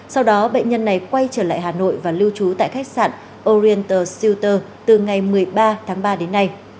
sau đó bệnh nhân này quay trở lại hà nội và lưu trú tại khách sạn orienter siêu từ ngày một mươi ba tháng ba đến nay